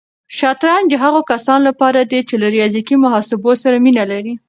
شطرنج د هغو کسانو لپاره دی چې له ریاضیکي محاسبو سره مینه لري.